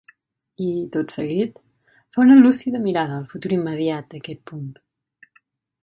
I, tot seguit, fa una lúcida mirada al futur immediat d’aquest punt.